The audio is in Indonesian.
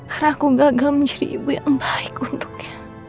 karena aku gagal menjadi ibu yang baik untuknya